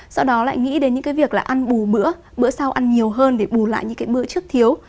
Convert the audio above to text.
sau đó lại nghĩ đến những việc ăn bù bữa bữa sau ăn nhiều hơn để bù lại những bữa trước thiếu